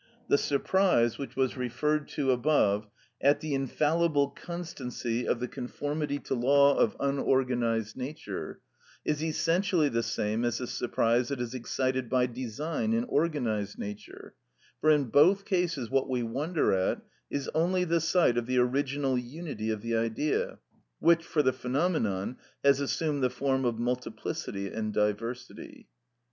The surprise, which was referred to above, at the infallible constancy of the conformity to law of unorganised nature, is essentially the same as the surprise that is excited by design in organised nature; for in both cases what we wonder at is only the sight of the original unity of the Idea, which, for the phenomenon, has assumed the form of multiplicity and diversity.